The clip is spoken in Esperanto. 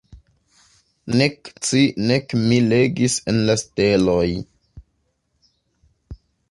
Nek ci nek mi legis en la steloj.